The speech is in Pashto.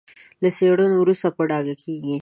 له څېړنې وروسته په ډاګه کېږي.